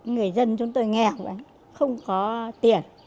người dân chúng tôi nghèo không có tiền